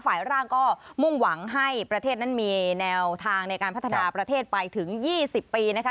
ฝ่ายร่างก็มุ่งหวังให้ประเทศนั้นมีแนวทางในการพัฒนาประเทศไปถึง๒๐ปีนะคะ